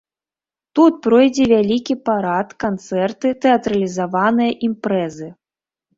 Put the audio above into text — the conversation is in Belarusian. Тут пройдзе вялікі парад, канцэрты, тэатралізаваныя імпрэзы.